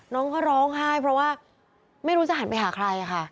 น้องก็ค่อยร้องค่ะเพราะครูปายแต่ยังไม่รู้ว่าจะลงทีละครั้ง